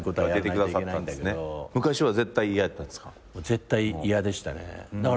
絶対嫌でしたね。